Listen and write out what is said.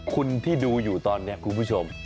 คุณที่ดูอยู่ตอนนี้คุณผู้ชม